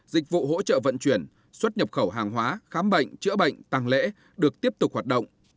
dịch vụ hỗ trợ vận chuyển xuất nhập khẩu hàng hóa khám bệnh chữa bệnh tăng lễ được tiếp tục hoạt động